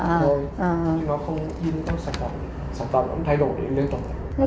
chứ nó không in các sản phẩm sản phẩm nó cũng thay đổi lên tổng hợp